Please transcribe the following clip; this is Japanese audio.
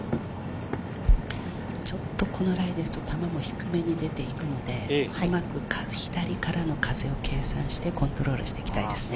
ちょっとこのライですと、球も低めに出ていくので、うまく左からの風を計算して、コントロールしていきたいですね。